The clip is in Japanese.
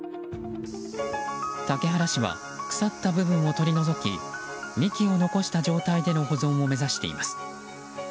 竹原市は腐った部分を取り除き幹を残した状態での保存を目指しています。